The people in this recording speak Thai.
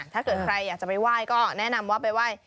ถ้าเกิดใครอยากจะไปไหว้ก็แนะนำว่าไปไหว้